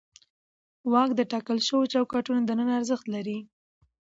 واک د ټاکل شوو چوکاټونو دننه ارزښت لري.